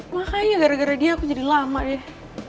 makanya gara gara dia aku jadi lama ya